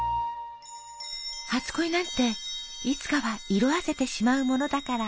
「初恋なんていつかは色あせてしまうものだから」。